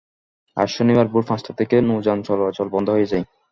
আজ শনিবার ভোর পাঁচটা থেকে নৌযান চলাচল বন্ধ হয়ে যায়।